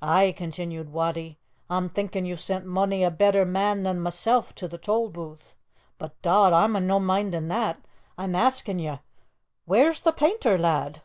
"Ay," continued Wattie, "a'm thinkin' you've sent mony a better man than mysel' to the tolbooth. But, dod! a'm no mindin' that. A'm asking ye, _whaur's the painter lad?